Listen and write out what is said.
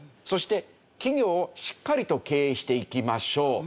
そして企業をしっかりと経営していきましょう。